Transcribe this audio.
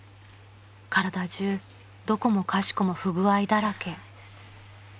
［体中どこもかしこも不具合だらけ］